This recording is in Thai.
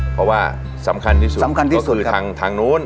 เพราะว่าสำคัญที่สุดก็คือทางนู้น